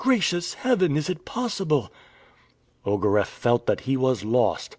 "Gracious Heaven, is it possible!" Ogareff felt that he was lost.